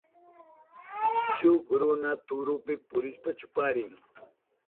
Shuk runa turupi purishpan chuparin.